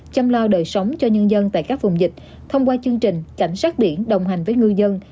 chăm lo đời sống cho nhân dân tại các vùng dịch thông qua chương trình cảnh sát biển đồng hành với ngư dân